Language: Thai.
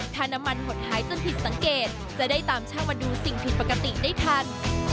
ถ้าน้ำมันหดหายจนผิดสังเกตจะได้ตามช่างมาดูสิ่งผิดปกติได้ทัน